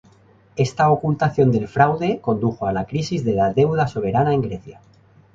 Esta ocultación del fraude condujo a la crisis de la deuda soberana en Grecia.